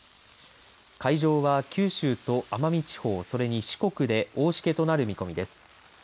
海上は九州と奄美地方、それに四国で大しけとなる見込みです。